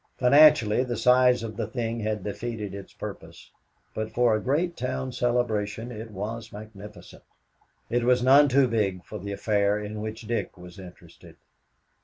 Financially, the size of the thing had defeated its purpose, but for a great town celebration it was magnificent. It was none too big for the affair in which Dick was interested.